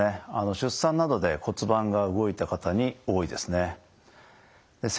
出産などで骨盤が動いた方に多いですね。